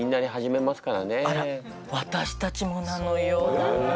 あら私たちもなのよ。